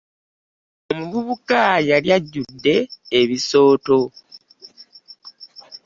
Omuvubuka yali ajjudde ebisooto.